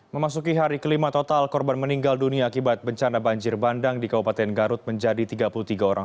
memasuki hari kelima total korban meninggal dunia akibat bencana banjir bandang di kabupaten garut menjadi tiga puluh tiga orang